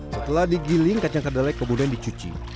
setelah digiling kacang kedelai kemudian dicuci